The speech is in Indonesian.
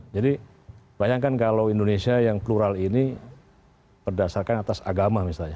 jadi bayangkan kalau indonesia yang plural ini berdasarkan atas agama misalnya